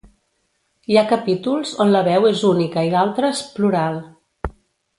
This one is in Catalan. Hi ha capítols on la veu és única i d'altres, plural.